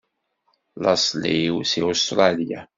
Laṣel-iw seg Ustṛalya.